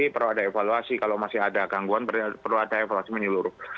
perlu ada evaluasi kalau masih ada gangguan perlu ada evaluasi menyeluruh